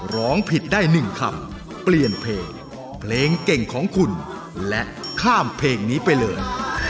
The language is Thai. ร้องผิดได้๑คำเปลี่ยนเพลงเพลงเก่งของคุณและข้ามเพลงนี้ไปเลย